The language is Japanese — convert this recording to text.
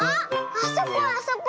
あそこあそこ。